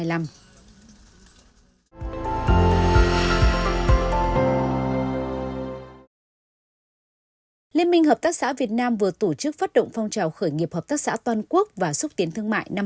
liên minh hợp tác xã việt nam vừa tổ chức phát động phong trào khởi nghiệp hợp tác xã toàn quốc và xúc tiến thương mại năm hai nghìn hai mươi bốn